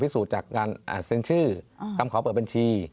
พิสูจน์จากการเซ็นชื่อกรรมขอเปิดบัญชี